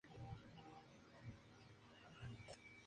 En este año no ocupó ningún podio.